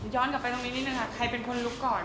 กลับไปตรงนี้นิดนึงค่ะใครเป็นคนลุกก่อน